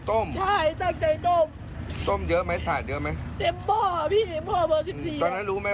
ทำไมเขาถึงเอาน้ำร้อนชัด